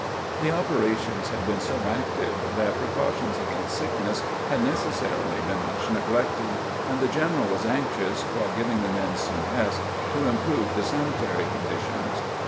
The operations had been so active that precautions against sickness had necessarily been much neglected, and the general was anxious, while giving the men some rest, to im prove the sanitary conditions.